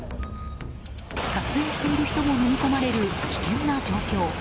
撮影している人ものみ込まれる、危険な状況。